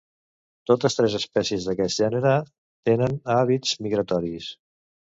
Totes tres espècies d'aquest gènere tenen hàbits migratoris.